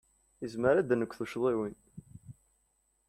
Nezmer ad neg tuccḍiwin.